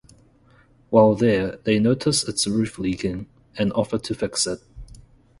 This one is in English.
While there, they notice its roof is leaking, and offer to fix it.